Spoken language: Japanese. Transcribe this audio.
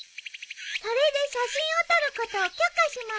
それで写真を撮ることを許可します。